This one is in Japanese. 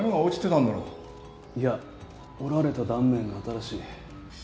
いや折られた断面が新しい。